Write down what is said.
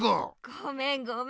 ごめんごめん。